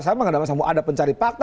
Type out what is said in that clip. ada pencari fakta